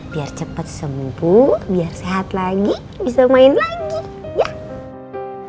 biar cepet sembuh biar sehat lagi bisa main lagi